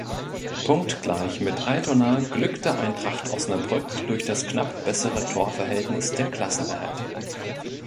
Punktgleich mit Altona glückte Eintracht Osnabrück durch das knapp bessere Torverhältnis der Klassenerhalt.